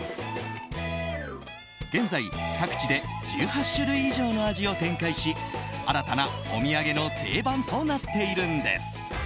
現在、各地で１８種類以上の味を展開し新たなお土産の定番となっているんです。